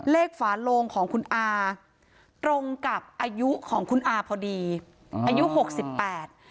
ฝาโลงของคุณอาตรงกับอายุของคุณอาพอดีอืมอายุหกสิบแปด